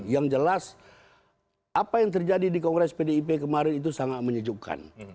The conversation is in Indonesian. yang jelas apa yang terjadi di kongres pdip kemarin itu sangat menyejukkan